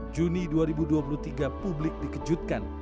juni dua ribu dua puluh tiga publik dikejutkan